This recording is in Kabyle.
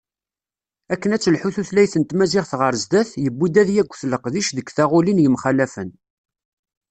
Akken ad telḥu tutlayt n tmaziɣt ɣer sdat, yewwi-d ad yaget leqdic deg taɣulin yemxalafen.